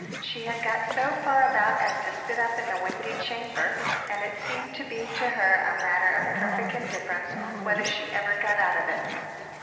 She had got so far about as to sit up in the windy chamber; and it seemed to be to her a matter of perfect indifference whether she ever got out of it.